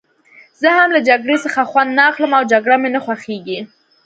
زه هم له جګړې څخه خوند نه اخلم او جګړه مې نه خوښېږي.